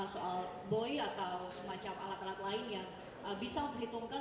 soal boy atau semacam alat alat lain yang bisa diperhitungkan